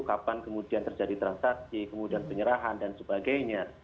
kapan kemudian terjadi transaksi kemudian penyerahan dan sebagainya